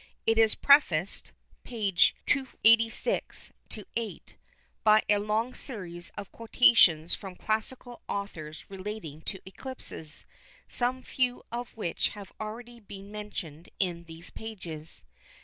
It is prefaced (pp. 286 8) by a long series of quotations from classical authors relating to eclipses, some few of which have already been mentioned in these pages.